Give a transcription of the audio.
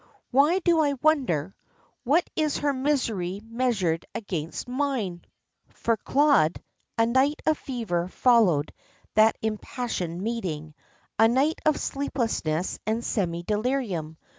"Why do I wonder? What is her misery measured against mine?" For Claude a night of fever followed that impassioned meeting, a night of sleeplessness and semi delirium.